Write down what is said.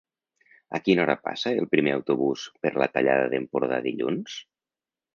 A quina hora passa el primer autobús per la Tallada d'Empordà dilluns?